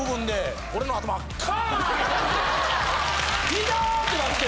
イタ！ってなって。